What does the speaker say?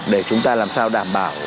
để chúng ta làm sao đảm bảo